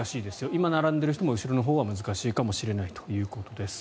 今並んでいる人も後ろのほうは難しいかもしれないということです。